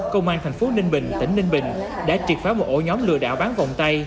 công an thành phố ninh bình tỉnh ninh bình đã triệt phá một ổ nhóm lừa đảo bán vòng tay